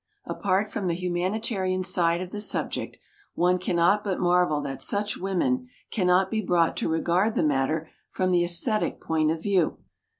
Apart from the humanitarian side of the subject, one cannot but marvel that such women cannot be brought to regard the matter from the esthetic point of view.